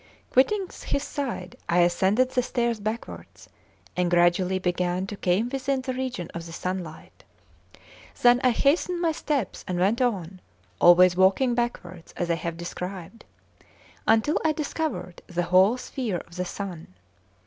Quitting his side, I ascended the stairs backwards, and gradually began to come within the region of the sunlight. Then I hastened my steps, and went on, always walking backwards as I have described, until I discovered the whole sphere of the sun.